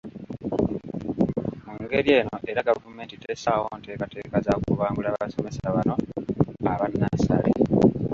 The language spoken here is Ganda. Mu ngeri eno era gavumenti tessaawo nteekateeka za kubangula basomesa bano aba nnassale.